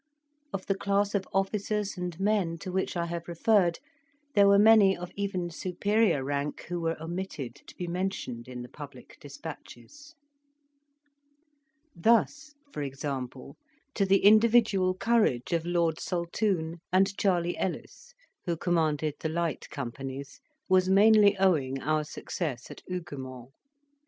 Of the class of officers and men to which I have referred, there were many of even superior rank who were omitted to be mentioned in the public despatches. Thus, for example, to the individual courage of Lord Saltoun and Charley Ellis, who commanded the light companies, was mainly owing our success at Huguemont.